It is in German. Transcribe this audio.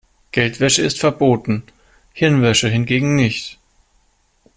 Geldwäsche ist verboten, Hirnwäsche hingegen nicht.